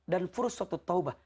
dan furs satu taubah